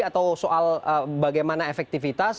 atau soal bagaimana efektivitas